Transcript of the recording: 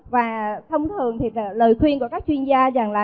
và thông thường thì lời khuyên của các chuyên gia rằng là